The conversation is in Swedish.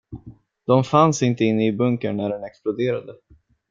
De fanns inte inne i bunkern när den exploderade.